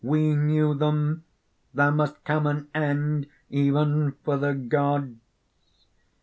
we knew them! There must come an end even for the Gods!